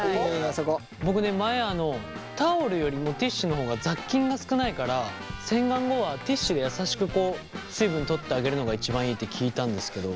僕ね前タオルよりもティッシュの方が雑菌が少ないから洗顔後はティッシュで優しく水分取ってあげるのが一番いいって聞いたんですけど。